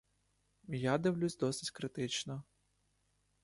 Я дивлюсь досить критично.